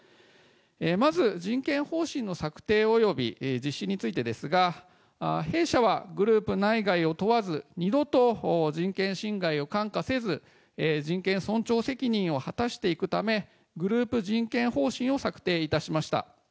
まず人権方針の策定及び実施についてですが、弊社はグループ内外を問わず、二度と人権侵害を看過せず、人権尊重責任を果たしていくため、グループ人権方針を策定いたしました。